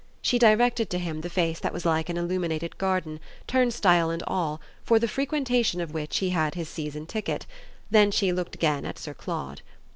She directed to him the face that was like an illuminated garden, turnstile and all, for the frequentation of which he had his season ticket; then she looked again at Sir Claude.